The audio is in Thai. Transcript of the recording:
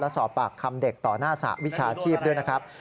สอบปากคำเด็กต่อหน้าสหวิชาชีพด้วยนะครับ